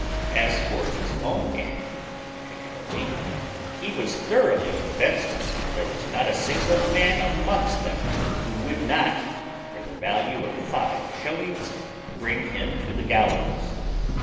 As for his own gang particularly, he was thoroughly convinced there was not a single man amongst them who would not, for the value of five shillings, bring him to the gallows.